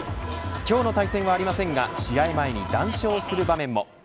今日の対戦はありませんが試合前に談笑する場面も。